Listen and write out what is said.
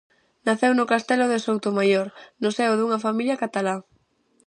Naceu no Castelo de Soutomaior, no seo dunha familia catalá.